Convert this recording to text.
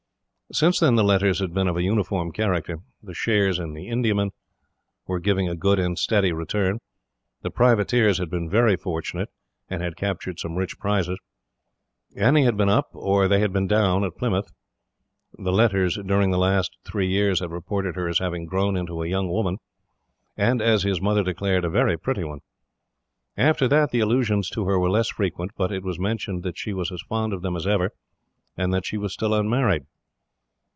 Since then the letters had been of a uniform character. The shares in the Indiamen were giving a good and steady return. The privateers had been very fortunate, and had captured some rich prizes. Annie had been up, or they had been down at Plymouth. The letters during the last three years had reported her as having grown into a young woman, and, as his mother declared, a very pretty one. After that the allusions to her were less frequent, but it was mentioned that she was as fond of them as ever, and that she was still unmarried.